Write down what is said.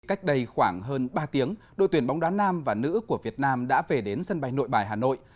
cách đây khoảng hơn ba tiếng đội tuyển bóng đá nam và nữ của việt nam đã về đến sân bay nội bài hà nội